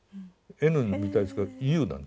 「Ｎ」みたいですけど「Ｕ」なんです。